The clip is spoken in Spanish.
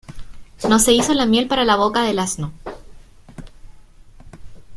No se hizo la miel para la boca del asno.